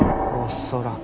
恐らく。